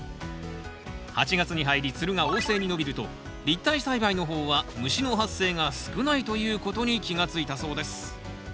８月に入りつるが旺盛に伸びると立体栽培の方は虫の発生が少ないということに気が付いたそうです